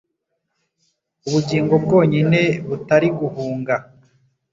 Ubugingo bwonyine butari guhunga